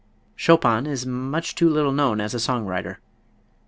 Chopin is much too little known as a song writer.